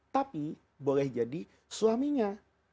tapi boleh jadi suaminya